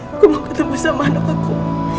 aku mau ketemu sama anak aku